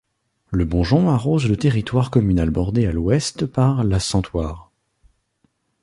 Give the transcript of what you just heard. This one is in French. Le Bonjon arrose le territoire communal bordé à l'ouest par la Santoire.